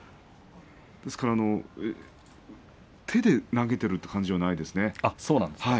ですから、手で投げているという感じはないですね。